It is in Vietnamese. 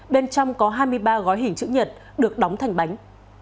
bên trong có hai mươi ba gói hình chữ nhật được đóng thành bánh